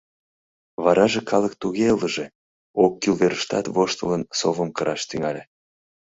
Вараже калык туге ылыже, ок кӱл верыштат воштылын, совым кыраш тӱҥале.